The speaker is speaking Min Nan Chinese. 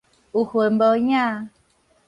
有痕無影